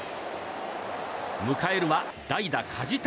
迎えるは代打・梶谷。